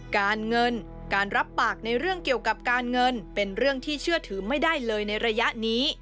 การเงินการรับปากในเรื่องเกี่ยวกับการเงินเป็นเรื่องที่เชื่อถือไม่ได้เลยในระยะนี้